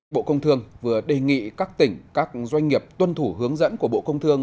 bộ công thương vừa đề nghị các tỉnh các doanh nghiệp tuân thủ hướng dẫn của bộ công thương